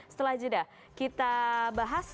setelah itu kita bahas